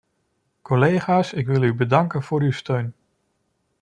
Collega's, ik wil u bedanken voor uw steun.